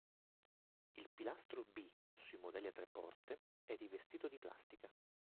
Il pilastro B, sui modelli a tre porte, è rivestito di plastica.